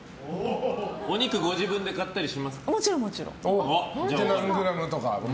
お肉、ご自分で買ったりしますか？